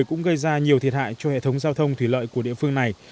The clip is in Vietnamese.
cũng gây ra nhiều thiệt hại cho hệ thống giao thông thủy lợi của địa phương này